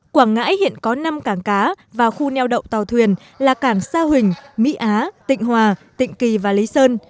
quảng ngãi hiện có năm cảng cá và khu neo đậu tàu thuyền là cảng sa huỳnh mỹ á tịnh hòa tịnh kỳ và lý sơn